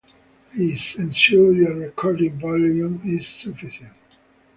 Please ensure your recording volume is sufficient.